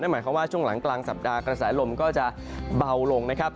หมายความว่าช่วงหลังกลางสัปดาห์กระแสลมก็จะเบาลงนะครับ